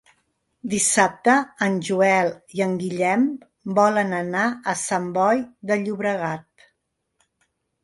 Dissabte en Joel i en Guillem volen anar a Sant Boi de Llobregat.